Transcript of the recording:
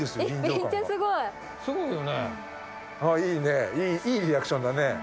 いいねいいリアクションだね。